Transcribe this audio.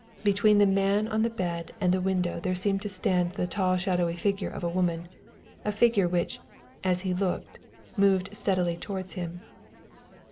Between the man on the bed and the window there seemed to stand the tall shadowy figure of a woman, a figure which, as he looked, moved steadily towards him.